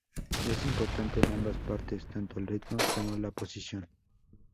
Es importante en ambas partes tanto el ritmo como la posición.